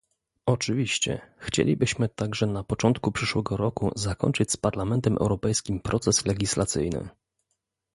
Oczywiście, chcielibyśmy także na początku przyszłego roku zakończyć z Parlamentem Europejskim proces legislacyjny